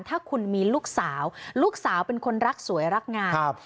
ถ้าคุณมีลูกสาวลูกสาวเป็นคนรักสวยรักงาม